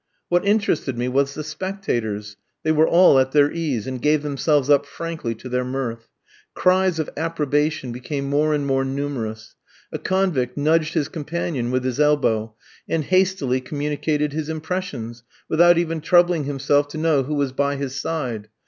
What interested me was the spectators. They were all at their ease, and gave themselves up frankly to their mirth. Cries of approbation became more and more numerous. A convict nudged his companion with his elbow, and hastily communicated his impressions, without even troubling himself to know who was by his side.